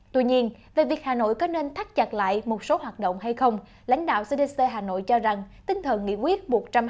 tuy nhiên về việc hà nội có nên thắt chặt lại một số hoạt động hay không lãnh đạo cdc hà nội cho rằng tinh thần nghị quyết một trăm hai mươi